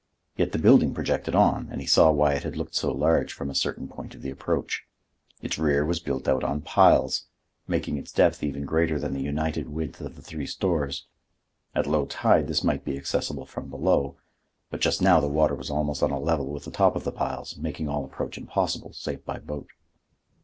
Yet the building projected on, and he saw why it had looked so large from a certain point of the approach. Its rear was built out on piles, making its depth even greater than the united width of the three stores. At low tide this might be accessible from below, but just now the water was almost on a level with the top of the piles, making all approach impossible save by boat.